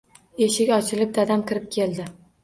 Eshik ochilib dadam kirib keldi.